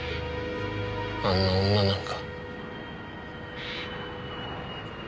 あんな女なんか。